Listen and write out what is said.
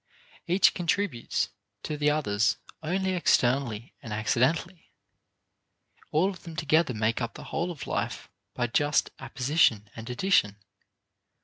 Each contributes to the others only externally and accidentally. All of them together make up the whole of life by just apposition and addition.